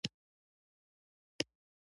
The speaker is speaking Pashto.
• د ښوونځي ماشومانو د سبق لپاره کښېناستل.